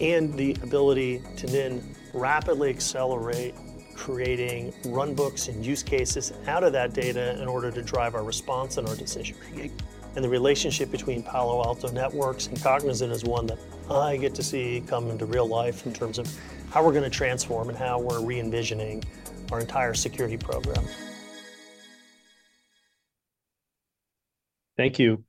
and the ability to then rapidly accelerate creating runbooks and use cases out of that data in order to drive our response and our decision-making, and the relationship between Palo Alto Networks and Cognizant is one that I get to see come into real life in terms of how we're going to transform and how we're re-envisioning our entire security program. Thank you.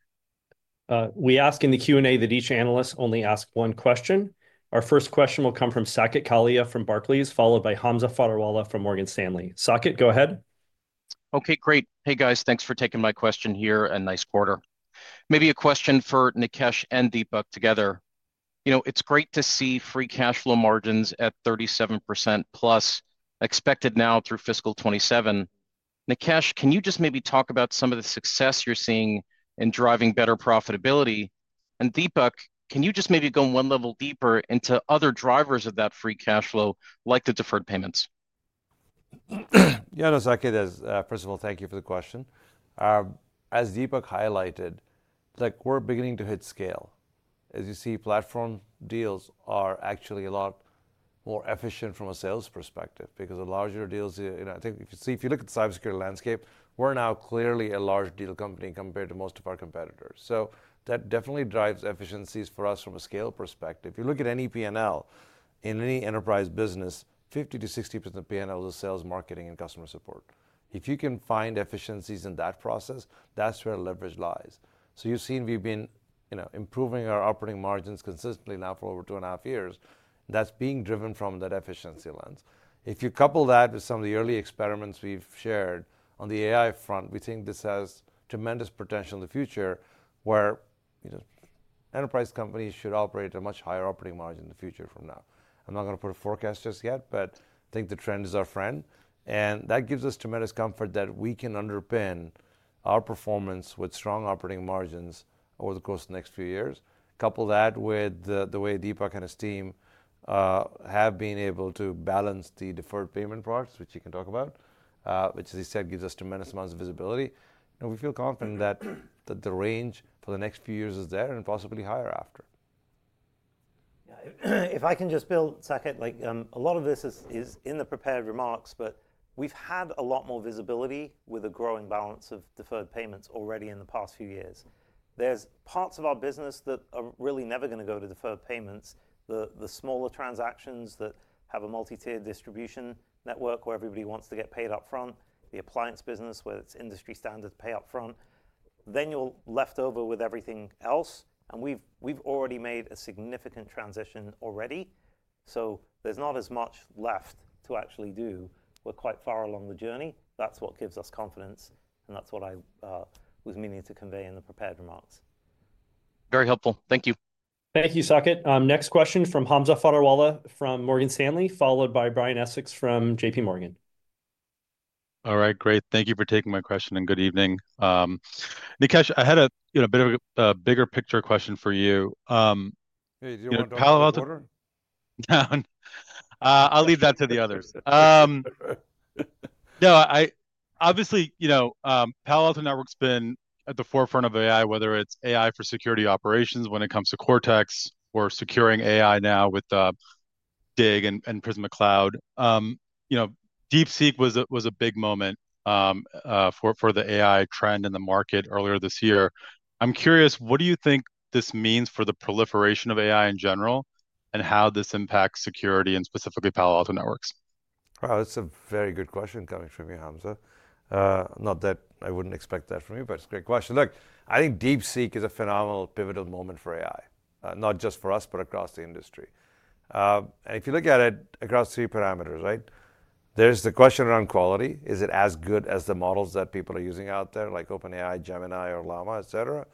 We ask in the Q&A that each analyst only ask one question. Our first question will come from Saket Kalia from Barclays, followed by Hamza Fodderwala from Morgan Stanley. Saket, go ahead. Okay, great. Hey guys, thanks for taking my question here. A nice quarter. Maybe a question for Nikesh and Dipak together. You know, it's great to see free cash flow margins at 37%+ expected now through fiscal 2027. Nikesh, can you just maybe talk about some of the success you're seeing in driving better profitability? Dipak, can you just maybe go one level deeper into other drivers of that free cash flow like the deferred payments? Yeah, no, Saket, as first of all, thank you for the question. As Dipak highlighted, like we're beginning to hit scale. As you see, platform deals are actually a lot more efficient from a sales perspective because the larger deals, you know, I think if you see, if you look at the cybersecurity landscape, we're now clearly a large deal company compared to most of our competitors. So that definitely drives efficiencies for us from a scale perspective. If you look at any P&L in any enterprise business, 50% to 60% of P&L is sales, marketing, and customer support. If you can find efficiencies in that process, that's where leverage lies. So you've seen we've been, you know, improving our operating margins consistently now for over two and a half years. That's being driven from that efficiency lens. If you couple that with some of the early experiments we've shared on the AI front, we think this has tremendous potential in the future where, you know, enterprise companies should operate at a much higher operating margin in the future from now. I'm not going to put a forecast just yet, but I think the trend is our friend, and that gives us tremendous comfort that we can underpin our performance with strong operating margins over the course of the next few years. Couple that with the way Dipak and his team have been able to balance the deferred payment products, which he can talk about, which, as he said, gives us tremendous amounts of visibility. And we feel confident that the range for the next few years is there and possibly higher after. Yeah, if I can just build, Saket, like a lot of this is in the prepared remarks, but we've had a lot more visibility with a growing balance of deferred payments already in the past few years. There's parts of our business that are really never going to go to deferred payments, the smaller transactions that have a multi-tier distribution network where everybody wants to get paid upfront, the appliance business where it's industry standard to pay upfront. Then you're left over with everything else. We've already made a significant transition already. So there's not as much left to actually do. We're quite far along the journey. That's what gives us confidence. That's what I was meaning to convey in the prepared remarks. Very helpful. Thank you. Thank you, Saket. Next question from Hamza Fodderwala from Morgan Stanley, followed by Brian Essex from JPMorgan. All right, great. Thank you for taking my question and good evening. Nikesh, I had a, you know, a bit of a bigger picture question for you. Hey, do you want to do a quarter? I'll leave that to the others. No, I obviously, you know, Palo Alto Networks has been at the forefront of AI, whether it's AI for security operations when it comes to Cortex or securing AI now with Dig and Prisma Cloud. You know, DeepSeek was a big moment for the AI trend in the market earlier this year. I'm curious, what do you think this means for the proliferation of AI in general and how this impacts security and specifically Palo Alto Networks? Well, that's a very good question coming from you, Hamza. Not that I wouldn't expect that from you, but it's a great question. Look, I think DeepSeek is a phenomenal pivotal moment for AI, not just for us, but across the industry. If you look at it across three parameters, right, there's the question around quality. Is it as good as the models that people are using out there, like OpenAI, Gemini, or Llama, et cetera?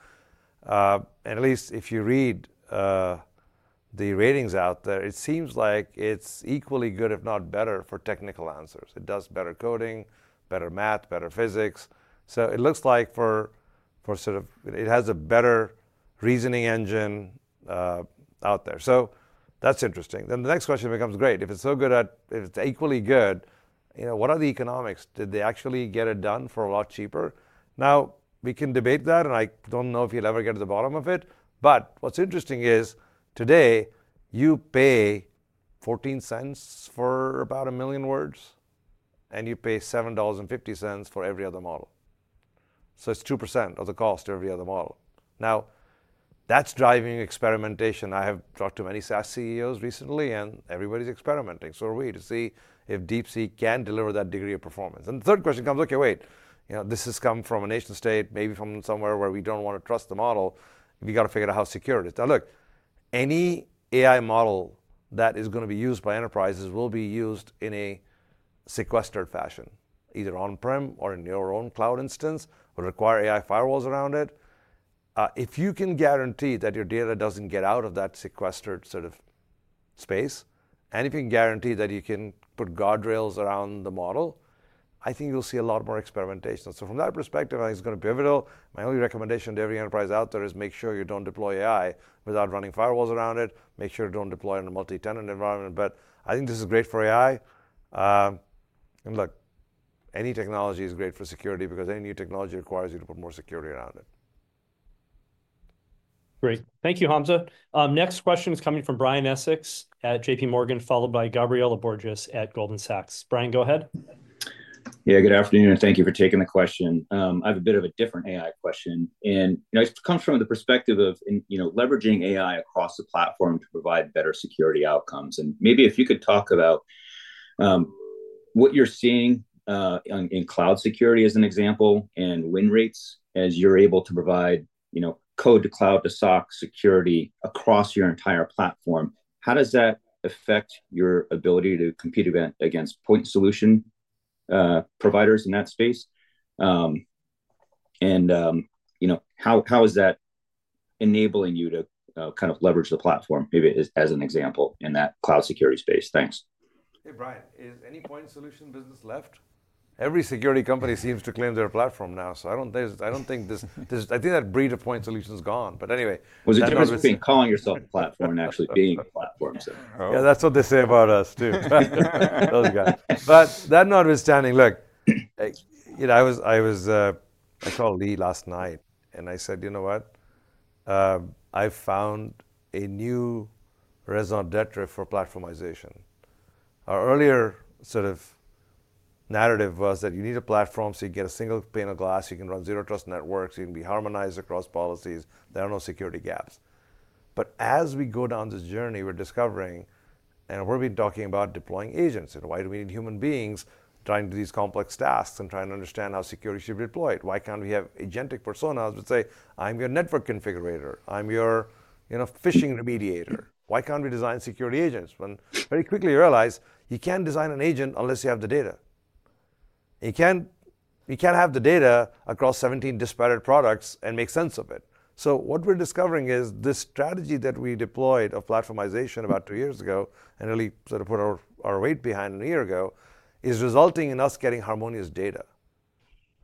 At least if you read the ratings out there, it seems like it's equally good, if not better, for technical answers. It does better coding, better math, better physics. So it looks like for sort of it has a better reasoning engine out there. So that's interesting. Then the next question becomes, great, if it's so good at, if it's equally good, you know, what are the economics? Did they actually get it done for a lot cheaper? Now, we can debate that, and I don't know if you'll ever get to the bottom of it. What's interesting is today you pay $0.14 for about a million words, and you pay $7.50 for every other model. So it's 2% of the cost of every other model. Now, that's driving experimentation. I have talked to many SaaS CEOs recently, and everybody's experimenting. So are we to see if DeepSeek can deliver that degree of performance. The third question comes, okay, wait, you know, this has come from a nation-state, maybe from somewhere where we don't want to trust the model. We got to figure out how secure it is. Now, look, any AI model that is going to be used by enterprises will be used in a sequestered fashion, either on-prem or in your own cloud instance, would require AI firewalls around it. If you can guarantee that your data doesn't get out of that sequestered sort of space, and if you can guarantee that you can put guardrails around the model, I think you'll see a lot more experimentation. From that perspective, I think it's going to be pivotal. My only recommendation to every enterprise out there is make sure you don't deploy AI without running firewalls around it. Make sure you don't deploy in a multi-tenant environment. I think this is great for AI. Look, any technology is great for security because any new technology requires you to put more security around it. Great. Thank you, Hamza. Next question is coming from Brian Essex at JPMorgan, followed by Gabriela Borges at Goldman Sachs. Brian, go ahead. Yeah, good afternoon, and thank you for taking the question. I have a bit of a different AI question. It comes from the perspective of leveraging AI across the platform to provide better security outcomes. Maybe if you could talk about what you're seeing in cloud security as an example and win rates as you're able to provide Code-to-Cloud-to-SOC security across your entire platform, how does that affect your ability to compete against point solution providers in that space? How is that enabling you to kind of leverage the platform, maybe as an example in that cloud security space? Thanks. Hey, Brian, is any point solution business left? Every security company seems to claim their platform now. I don't think this. I think that breed of point solution is gone. But anyway. I'm not really saying calling yourself a platform and actually being a platform. Yeah, that's what they say about us too. Those guys. That notwithstanding, look, you know, I was. I called Lee last night, and I said, you know what? I found a new raison d'être for platformization. Our earlier sort of narrative was that you need a platform so you get a single pane of glass, you can run Zero Trust networks, you can be harmonized across policies, there are no security gaps. As we go down this journey, we're discovering, and we've been talking about deploying agents, and why do we need human beings trying to do these complex tasks and trying to understand how security should be deployed? Why can't we have agentic personas that say, I'm your network configurator, I'm your, you know, phishing remediator? Why can't we design security agents when very quickly you realize you can't design an agent unless you have the data? You can't have the data across 17 disparate products and make sense of it. So what we're discovering is this strategy that we deployed of platformization about two years ago and really sort of put our weight behind a year ago is resulting in us getting harmonious data.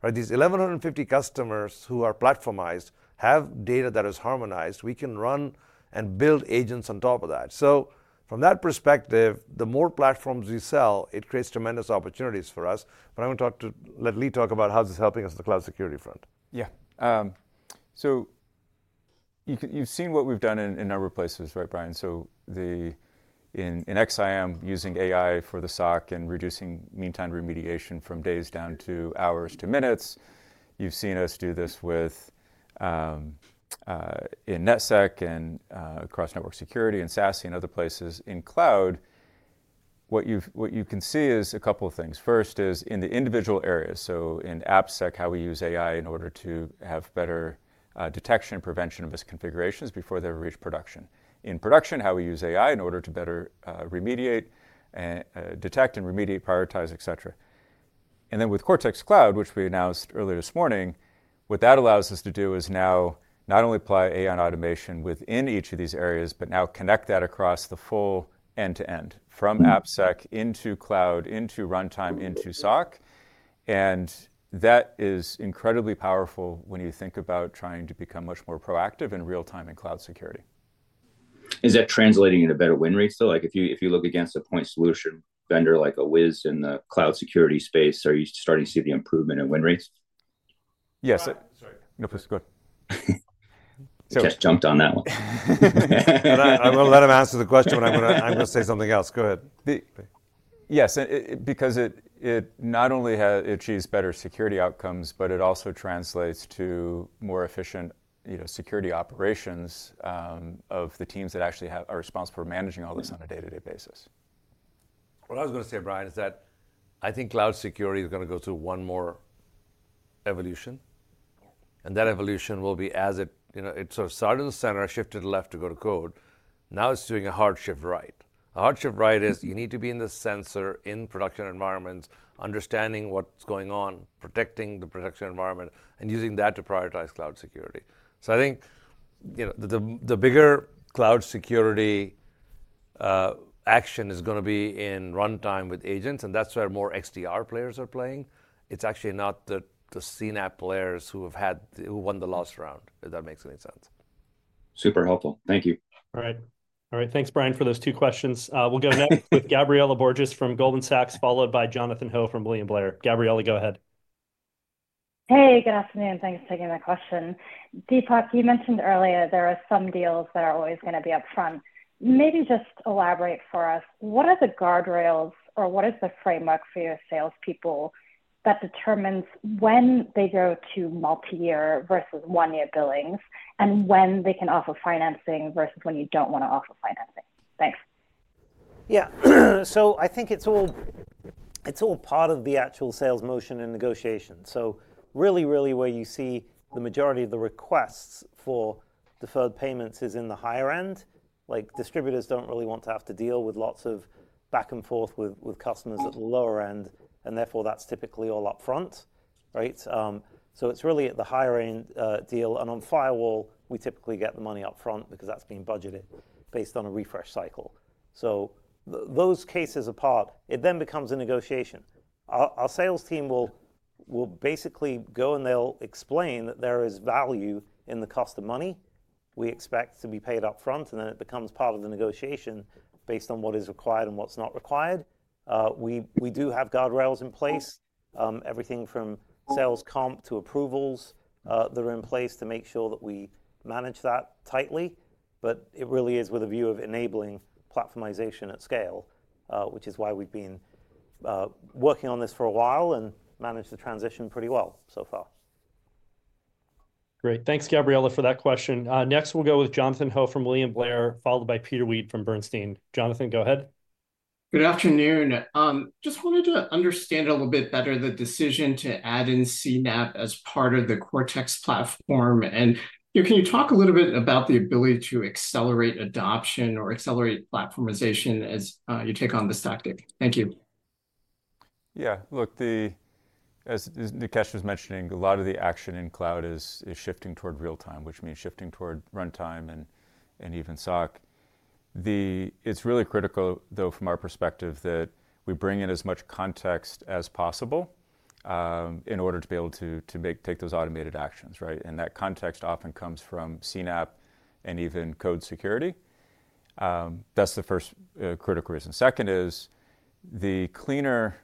These 1,150 customers who are platformized have data that is harmonized. We can run and build agents on top of that. So from that perspective, the more platforms we sell, it creates tremendous opportunities for us. I want to talk to let Lee talk about how this is helping us on the cloud security front. Yeah. So you've seen what we've done in a number of places, right, Brian? So in XSIAM, using AI for the SOC and reducing mean time to remediation from days down to hours to minutes. You've seen us do this in NetSec and across network security and SASE and other places. In cloud, what you can see is a couple of things. First is in the individual areas, so in AppSec, how we use AI in order to have better detection and prevention of misconfigurations before they reach production. In production, how we use AI in order to better remediate, detect, and remediate, prioritize, et cetera. Then with Cortex Cloud, which we announced earlier this morning, what that allows us to do is now not only apply AI and automation within each of these areas, but now connect that across the full end-to-end from AppSec into cloud, into runtime, into SOC. That is incredibly powerful when you think about trying to become much more proactive in real-time and cloud security. Is that translating in a better win rate still? Like if you look against a point solution vendor like a Wiz in the cloud security space, are you starting to see the improvement in win rates? Yes. Sorry. No, please go ahead. Just jumped on that one. I'm going to let him answer the question, but I'm going to say something else. Go ahead. Yes, because it not only achieves better security outcomes, but it also translates to more efficient security operations of the teams that actually are responsible for managing all this on a day-to-day basis. What I was going to say, Brian, is that I think cloud security is going to go through one more evolution. That evolution will be as it sort of started in the center, shifted left to go to code. Now it's doing a hard shift right. A hard shift right is you need to be in the center in production environments, understanding what's going on, protecting the production environment, and using that to prioritize cloud security. So I think the bigger cloud security action is going to be in runtime with agents, and that's where more XDR players are playing. It's actually not the CNAPP players who won the last round, if that makes any sense. Super helpful. Thank you. All right. All right. Thanks, Brian, for those two questions. We'll go next with Gabriela Borges from Goldman Sachs, followed by Jonathan Ho from William Blair. Gabriela, go ahead. Hey, good afternoon. Thanks for taking my question. Dipak, you mentioned earlier there are some deals that are always going to be upfront. Maybe just elaborate for us, what are the guardrails or what is the framework for your salespeople that determines when they go to multi-year versus one-year billings and when they can offer financing versus when you don't want to offer financing? Thanks. Yeah. I think it's all part of the actual sales motion and negotiation. Really, really where you see the majority of the requests for deferred payments is in the higher end. Like distributors don't really want to have to deal with lots of back and forth with customers at the lower end, and therefore that's typically all upfront, right? It's really at the higher end deal. On firewall, we typically get the money upfront because that's being budgeted based on a refresh cycle. So those cases apart, it then becomes a negotiation. Our sales team will basically go and they'll explain that there is value in the cost of money we expect to be paid upfront, and then it becomes part of the negotiation based on what is required and what's not required. We do have guardrails in place, everything from sales comp to approvals that are in place to make sure that we manage that tightly. It really is with a view of enabling platformization at scale, which is why we've been working on this for a while and managed the transition pretty well so far. Great. Thanks, Gabriela, for that question. Next, we'll go with Jonathan Ho from William Blair, followed by Peter Weed from Bernstein. Jonathan, go ahead. Good afternoon. Just wanted to understand a little bit better the decision to add in CNAPP as part of the Cortex platform. Can you talk a little bit about the ability to accelerate adoption or accelerate platformization as you take on this tactic? Thank you. Yeah, look, as Nikesh was mentioning, a lot of the action in cloud is shifting toward real-time, which means shifting toward runtime and even SOC. It's really critical, though, from our perspective that we bring in as much context as possible in order to be able to take those automated actions, right? That context often comes from CNAPP and even code security. That's the first critical reason. Second is the cleaner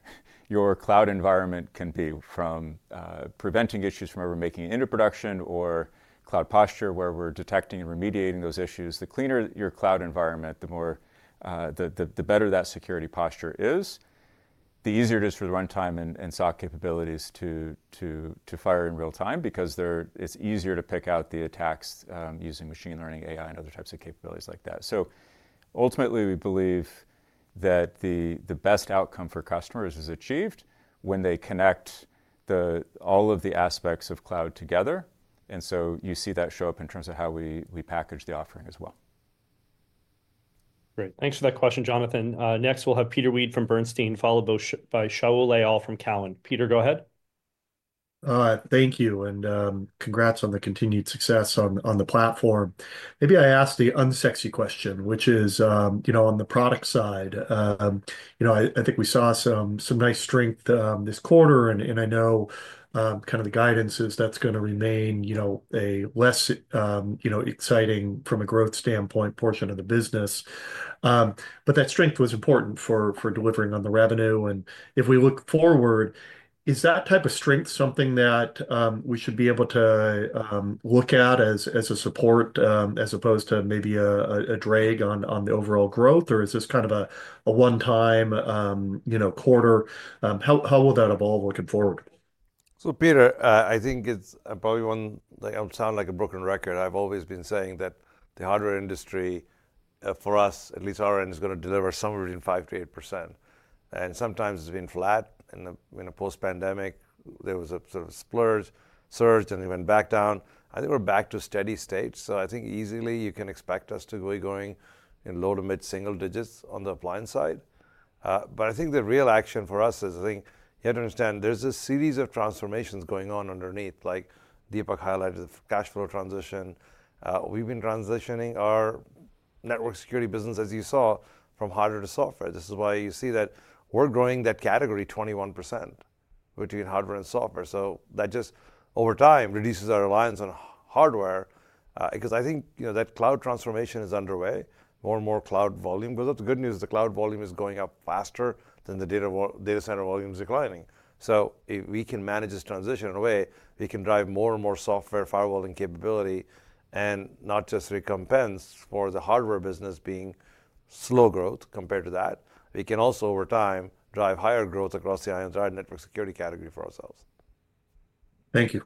your cloud environment can be from preventing issues from ever making it into production or cloud posture where we're detecting and remediating those issues. The cleaner your cloud environment, the better that security posture is, the easier it is for the runtime and SOC capabilities to fire in real-time because it's easier to pick out the attacks using machine learning, AI, and other types of capabilities like that. So ultimately, we believe that the best outcome for customers is achieved when they connect all of the aspects of cloud together. You see that show up in terms of how we package the offering as well. Great. Thanks for that question, Jonathan. Next, we'll have Peter Weed from Bernstein, followed by Shaul Eyal from Cowen. Peter, go ahead. Thank you. Congrats on the continued success on the platform. Maybe I ask the unsexy question, which is on the product side. I think we saw some nice strength this quarter, and I know kind of the guidance is that's going to remain a less exciting from a growth standpoint portion of the business, but that strength was important for delivering on the revenue, and if we look forward, is that type of strength something that we should be able to look at as a support as opposed to maybe a drag on the overall growth, or is this kind of a one-time quarter? How will that evolve looking forward? Peter, I think it's probably one that I'll sound like a broken record. I've always been saying that the hardware industry for us, at least our end, is going to deliver somewhere between 5% to 8%. Sometimes it's been flat. In the post-pandemic, there was a sort of splurge surge, and it went back down. I think we're back to a steady state. So I think easily you can expect us to be going in low to mid single digits on the appliance side. I think the real action for us is, I think you have to understand there's a series of transformations going on underneath. Like Dipak highlighted the cash flow transition. We've been transitioning our network security business, as you saw, from hardware to software. This is why you see that we're growing that category 21% between hardware and software. So that just over time reduces our reliance on hardware because I think that cloud transformation is underway. More and more cloud volume. That's the good news. The cloud volume is going up faster than the data center volume is declining. If we can manage this transition in a way, we can drive more and more software firewalling capability and not just recompense for the hardware business being slow growth compared to that. We can also, over time, drive higher growth across the entire network security category for ourselves. Thank you.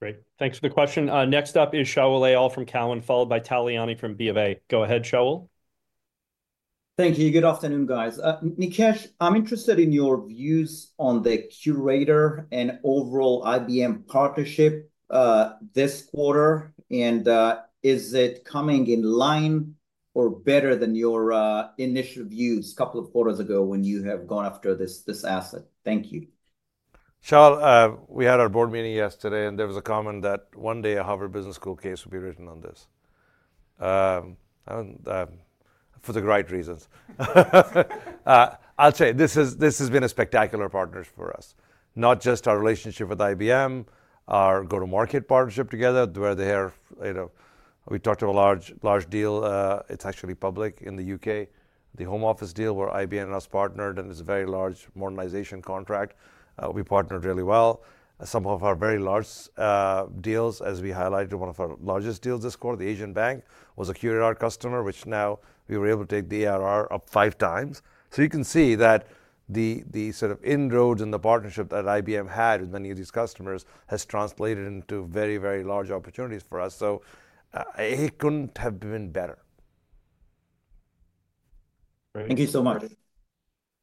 Great. Thanks for the question. Next up is Shaul Eyal from Cowen, followed by Tal Liani from Bank of America. Go ahead, Shaul. Thank you. Good afternoon, guys. Nikesh, I'm interested in your views on the QRadar and overall IBM partnership this quarter. Is it coming in line or better than your initial views a couple of quarters ago when you have gone after this asset? Thank you. Shaul, we had our board meeting yesterday, and there was a comment that one day a Harvard Business School case would be written on this. For the right reasons. I'll tell you, this has been a spectacular partnership for us. Not just our relationship with IBM, our go-to-market partnership together, where we have talked to a large deal. It's actually public in the U.K., the Home Office deal where IBM and us partnered, and it's a very large modernization contract. We partnered really well. Some of our very large deals, as we highlighted, one of our largest deals this quarter, the Asian bank, was a QRadar customer, which now we were able to take the ARR up five times. You can see that the sort of inroads in the partnership that IBM had with many of these customers has translated into very, very large opportunities for us. So it couldn't have been better. Thank you so much.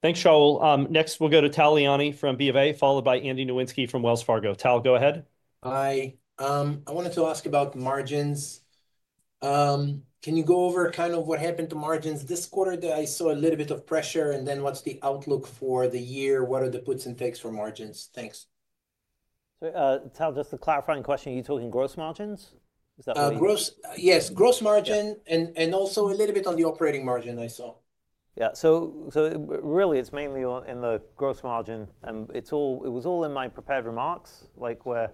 Thanks, Shaul. Next, we'll go to Tal Liani from BofA, followed by Andy Nowinski from Wells Fargo. Tal, go ahead. Hi. I wanted to ask about margins. Can you go over kind of what happened to margins this quarter that I saw a little bit of pressure, and then what's the outlook for the year? What are the puts and takes for margins? Thanks. Tal, just a clarifying question. Are you talking gross margins? Is that what you mean? Yes, gross margin and also a little bit on the operating margin I saw. Yeah. Really, it's mainly in the gross margin. It was all in my prepared remarks, like where.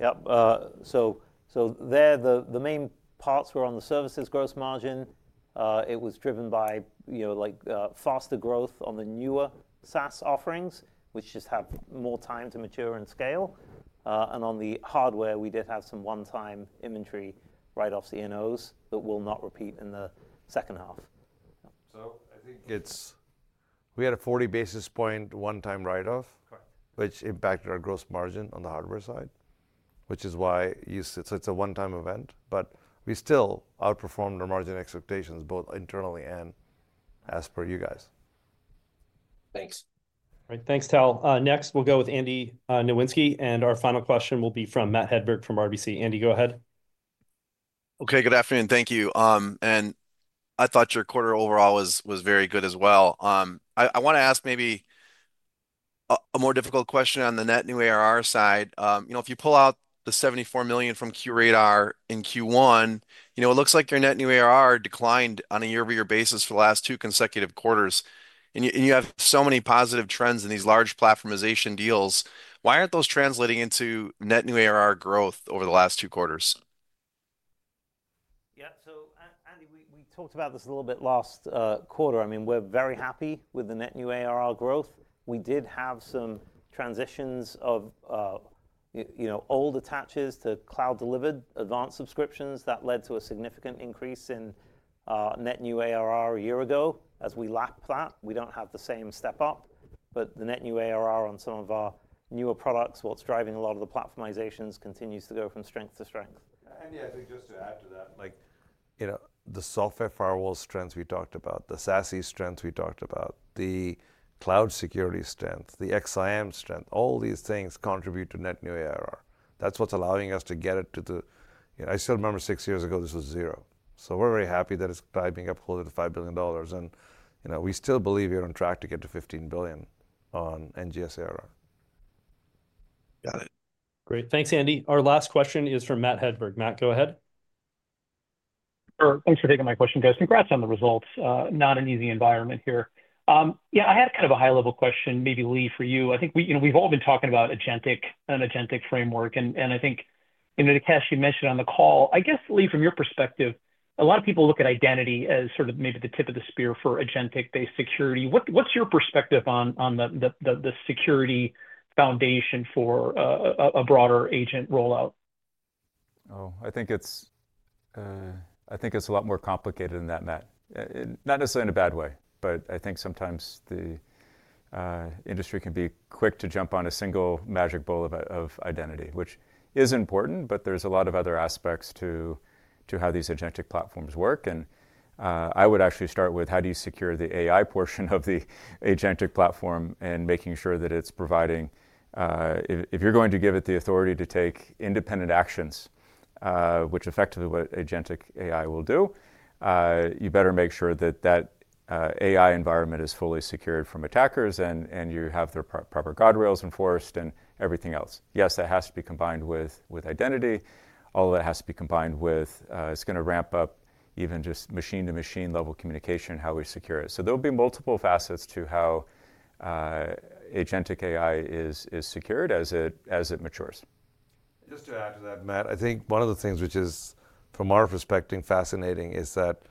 Yep. There, the main parts were on the services gross margin. It was driven by faster growth on the newer SaaS offerings, which just have more time to mature and scale, and on the hardware, we did have some one-time inventory write-offs in E&Os that will not repeat in the second half. I think it's we had a 40 basis point one-time write-off, which impacted our gross margin on the hardware side, which is why it's a one-time event. We still outperformed our margin expectations both internally and as per you guys. Thanks. All right. Thanks, Tal. Next, we'll go with Andy Nowinski. Our final question will be from Matt Hedberg from RBC. Andy, go ahead. Okay. Good afternoon. Thank you. I thought your quarter overall was very good as well. I want to ask maybe a more difficult question on the net new ARR side. If you pull out the $74 million from QRadar in Q1, it looks like your net new ARR declined on a year-over-year basis for the last two consecutive quarters. You have so many positive trends in these large platformization deals. Why aren't those translating into net new ARR growth over the last two quarters? Yeah. Andy, we talked about this a little bit last quarter. I mean, we're very happy with the net new ARR growth. We did have some transitions of old attaches to cloud-delivered advanced subscriptions that led to a significant increase in net new ARR a year ago. As we lap that, we don't have the same step up. The net new ARR on some of our newer products, what's driving a lot of the platformizations continues to go from strength to strength. Andy, I think just to add to that, the software firewall strengths we talked about, the SASE strengths we talked about, the cloud security strength, the XSIAM strength, all these things contribute to net new ARR. That's what's allowing us to get it to the. I still remember six years ago, this was zero. So we're very happy that it's climbing up quarter to $5 billion. We still believe we're on track to get to $15 billion on NGS ARR. Got it. Great. Thanks, Andy. Our last question is from Matt Hedberg. Matt, go ahead. Sure. Thanks for taking my question, guys. Congrats on the results. Not an easy environment here. Yeah, I had kind of a high-level question, maybe Lee for you. I think we've all been talking about an agentic framework. I think, Nikesh, you mentioned on the call, I guess, Lee, from your perspective, a lot of people look at identity as sort of maybe the tip of the spear for agentic-based security. What's your perspective on the security foundation for a broader agent rollout? Oh, I think it's a lot more complicated than that, Matt. Not necessarily in a bad way, but I think sometimes the industry can be quick to jump on a single magic ball of identity, which is important, but there's a lot of other aspects to how these agentic platforms work, and I would actually start with how do you secure the AI portion of the agentic platform and making sure that it's providing if you're going to give it the authority to take independent actions, which effectively what agentic AI will do, you better make sure that that AI environment is fully secured from attackers and you have their proper guardrails enforced and everything else. Yes, that has to be combined with identity. All of that has to be combined with it's going to ramp up even just machine-to-machine level communication, how we secure it? There will be multiple facets to how agentic AI is secured as it matures. Just to add to that, Matt, I think one of the things which is, from our perspective, fascinating is that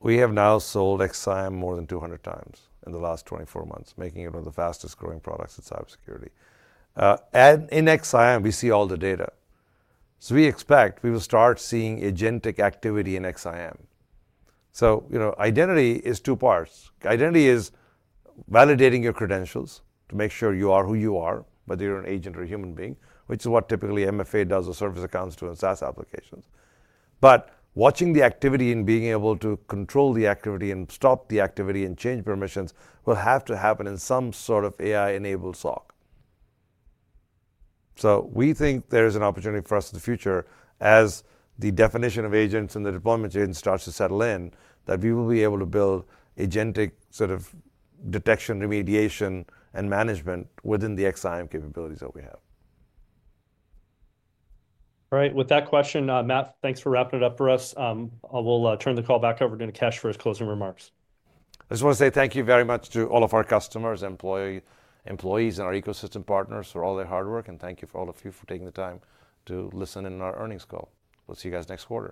we have now sold XSIAM more than 200 times in the last 24 months, making it one of the fastest growing products in cybersecurity. In XSIAM, we see all the data. So we expect we will start seeing agentic activity in XSIAM. So identity is two parts. Identity is validating your credentials to make sure you are who you are, whether you're an agent or a human being, which is what typically MFA does or service accounts do in SaaS applications. But watching the activity and being able to control the activity and stop the activity and change permissions will have to happen in some sort of AI-enabled SOC. So we think there is an opportunity for us in the future as the definition of agents and the deployment agents starts to settle in that we will be able to build agentic sort of detection, remediation, and management within the XSIAM capabilities that we have. All right. With that question, Matt, thanks for wrapping it up for us. We'll turn the call back over to Nikesh for his closing remarks. I just want to say thank you very much to all of our customers, employees, and our ecosystem partners for all their hard work. Thank you for all of you for taking the time to listen in our earnings call. We'll see you guys next quarter.